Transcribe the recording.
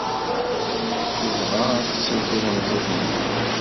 Tebɣa ad tsew tlemẓit-nni.